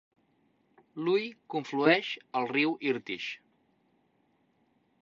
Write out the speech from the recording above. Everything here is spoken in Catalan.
L'Uy conflueix al riu Irtysh.